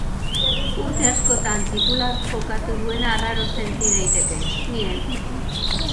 Urte askotan titular jokatu duena arraro senti daiteke, ni ez.